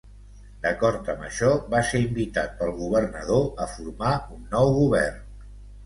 D'acord amb això, va ser invitat pel governador a formar un nou govern.